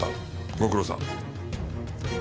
ご苦労さん。